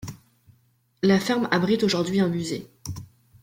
La ferme abrite aujourd'hui un musée.